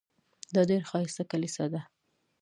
دا ډېره ښایسته کلیسا ده.